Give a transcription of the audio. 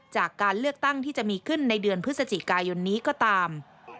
จากการเลือกตั้งที่จะมีขึ้นในเดือนพฤศจิกายนนี้ก็ตาม